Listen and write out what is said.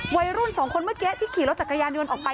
วัยรุ่นสองคนเมื่อกี้ที่ขี่รถจักรยานยนต์ออกไป